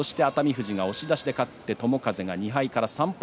富士が押し出しで勝って友風が３敗に後退。